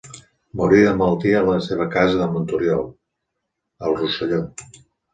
Morí de malaltia a la seva casa de Montoriol, al Rosselló.